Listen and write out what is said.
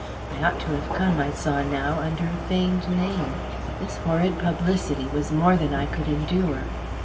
I ought to have come, I saw now, under a feigned name. This horrid publicity was more than I could endure.